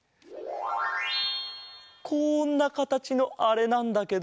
こんなかたちのあれなんだけどなんだっけ？